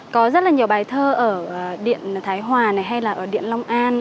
có rất là nhiều bài thơ ở điện thái hòa này hay là ở điện long an